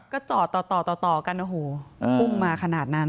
ก็จอดต่อต่อกันโอ้โหพุ่งมาขนาดนั้น